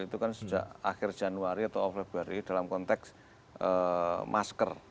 itu kan sudah akhir januari atau off february dalam konteks masker